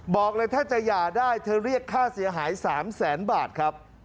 บอกเลยถ้าจะหย่าได้เธอเรียกค่าเสียหาย๓แสนบาทครับ